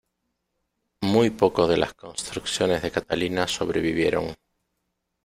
Muy poco de las construcciones de Catalina sobrevivieron.